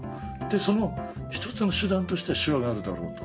その一つの手段として手話があるだろうと。